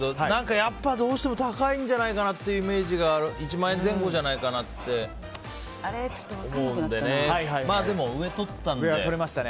やっぱり、どうしても高いんじゃないかなっていうイメージが１万円前後じゃないかなって思うのでね。